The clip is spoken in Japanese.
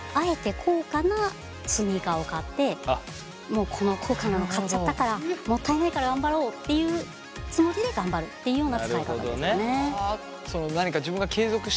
もうこの高価なの買っちゃったからもったいないから頑張ろうっていうつもりで頑張るっていうような使い方ですかね。